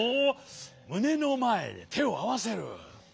むねのまえでてをあわせる。